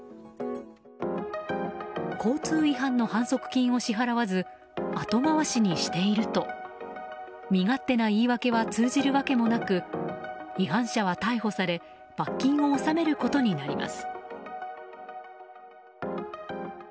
交通違反の反則金を支払わず後回しにしていると身勝手な言い訳は通じるわけもなく違反者は逮捕され罰金を納めることになります。